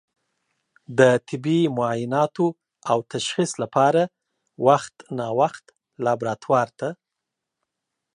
د طبي معایناتو او تشخیص لپاره وخت نا وخت لابراتوار ته